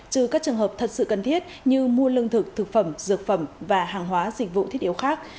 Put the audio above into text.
trừ các trường hợp thật sự cần thiết như mua lương thực thực phẩm dược phẩm và hàng hóa dịch vụ thiết yếu khác